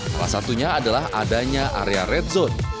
salah satunya adalah adanya area red zone